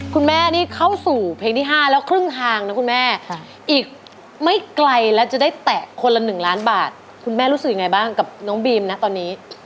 คุณแม่นี่เข้าสู่เพลงที่๕แล้วครึ่งทางนะคุณแม่อีกไม่ไกลแล้วจะได้แตะคนละ๑ล้านบาทคุณแม่รู้สึกยังไงบ้างกับน้องบีมนะตอนนี้